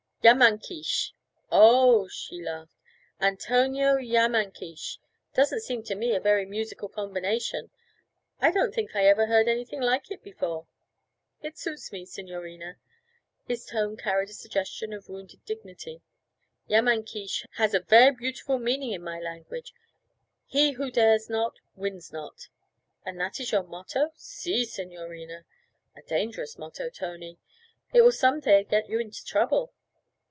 'Yamhankeesh.' 'Oh!' she laughed. 'Antonio Yamhankeesh doesn't seem to me a very musical combination; I don't think I ever heard anything like it before.' 'It suits me, signorina.' His tone carried a suggestion of wounded dignity. 'Yamhankeesh has a ver' beautiful meaning in my language "He who dares not, wins not."' 'And that is your motto?' 'Si, signorina.' 'A very dangerous motto, Tony; it will some day get you into trouble.'